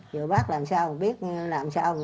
giờ bác làm sao biết làm sao